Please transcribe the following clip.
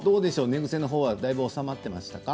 寝ぐせのほうはだいぶおさまっていましたか？